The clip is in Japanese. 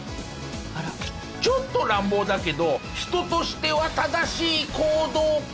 ちょっと乱暴だけど人としては正しい行動かも！